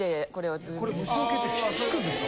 これ虫除けって効くんですか？